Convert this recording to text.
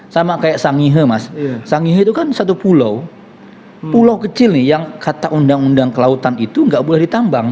sama kayak sangihe mas sangihe itu kan satu pulau pulau kecil nih yang kata undang undang kelautan itu nggak boleh ditambang